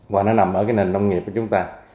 và nó nằm ở cái nền nông nghiệp của chúng ta